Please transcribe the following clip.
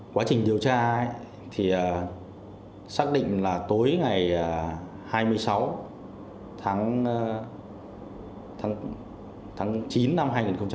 quá trình điều tra thì xác định là tối ngày hai mươi sáu tháng chín năm hai nghìn hai mươi